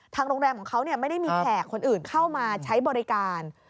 โรงแรมของเขาไม่ได้มีแขกคนอื่นเข้ามาใช้บริการ